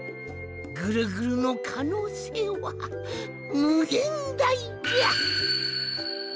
ぐるぐるのかのうせいはむげんだいじゃ！